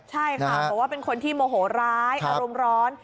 ใช่ค่ะบอกว่าเป็นคนที่โมโหร้ายอารมณ์ร้อน